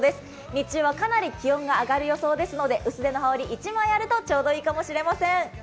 日中はかなり気温が上がる予想ですので、薄手の羽織、一枚あるとちょうどいいかもしれません。